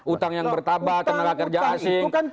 utang yang bertambah tenaga kerja asing